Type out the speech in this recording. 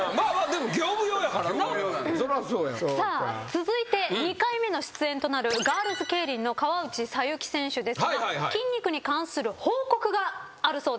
続いて２回目の出演となるガールズケイリンの河内桜雪選手ですが筋肉に関する報告があるそうです。